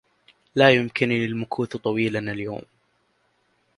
لا يمكنني المكوث طويلا اليوم.